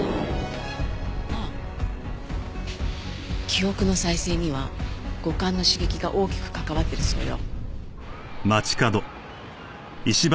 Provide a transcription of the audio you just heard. あっ記憶の再生には五感の刺激が大きく関わってるそうよ。